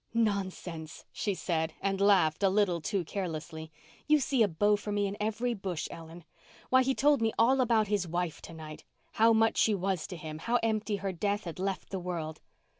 "Nonsense," she said, and laughed, a little too carelessly. "You see a beau for me in every bush, Ellen. Why he told me all about his wife to night—how much she was to him—how empty her death had left the world."